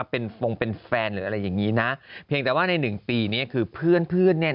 เพียงแต่ว่าใน๑ปีเนี่ยคือเพื่อนเนี่ย